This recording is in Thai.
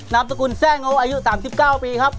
นามสกุลแซ่งโง่อายุ๓๙ปีครับ